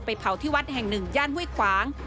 เผาที่วัดแห่งหนึ่งย่านห้วยขวาง